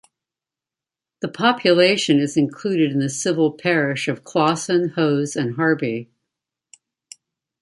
The population is included in the civil parish of Clawson, Hose and Harby.